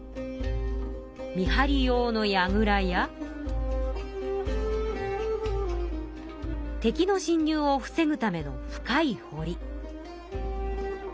見張り用のやぐらや敵のしん入を防ぐための深いほり。